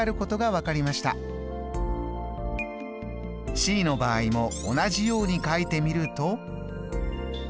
Ｃの場合も同じように書いてみると。